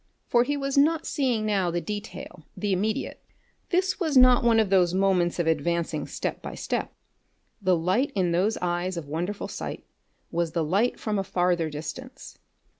For he was not seeing now the detail, the immediate. This was not one of those moments of advancing step by step. The light in those eyes of wonderful sight was the light from a farther distance.